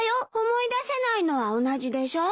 思い出せないのは同じでしょ。